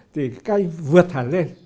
thì canh vượt thẳng lên